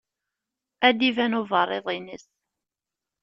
Ad d-iban uberriḍ-ines.